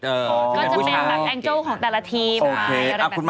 ก็จะเป็นรถแองเจ้าของแต่ละทีม